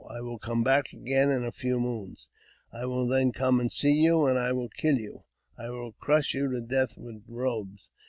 I will come back again in a few moons. I will then come and see you, and I will kill you — I will crush you to death with ^bes."